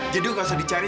jadi aku gak usah dicari